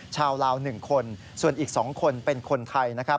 ชาวลาว๑คนส่วนอีก๒คนเป็นคนไทย